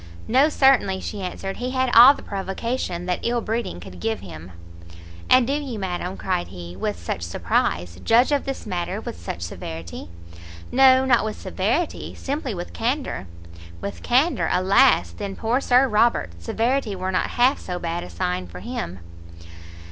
"No, certainly," she answered, "he had all the provocation that ill breeding could give him." "And do you, madam," cried he, with much surprize, "judge of this matter with such severity?" "No, not with severity, simply with candour." "With candour? alas, then, poor Sir Robert! Severity were not half so bad a sign for him!"